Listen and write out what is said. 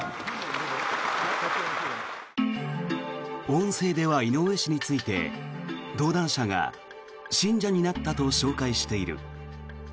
音声では井上氏について登壇者が信者になったと紹介している。